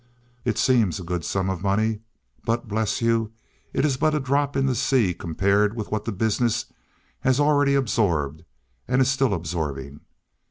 It seems a good sum of money; but, bless you, it is but a drop in the sea compared with what the business has already absorbed, and is still absorbing.